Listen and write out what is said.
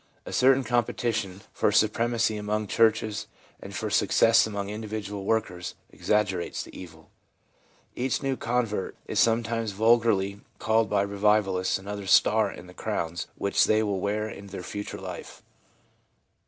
A certain competition for supremacy among churches, and for success among individual workers, exaggerates the evil. Each new convert is sometimes vulgarly called by revivalists another star in the crowns which they will wear in the future life.